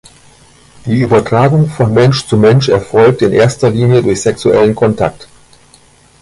Die Übertragung von Mensch zu Mensch erfolgt in erster Linie durch sexuellen Kontakt.